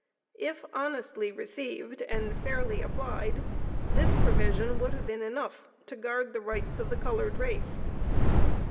If honestly received and fairly applied, this provision would have been enough to guard the rights of the colored race.